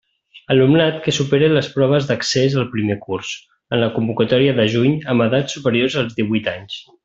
Alumnat que supere les proves d'accés al primer curs, en la convocatòria de juny, amb edats superiors als díhuit anys.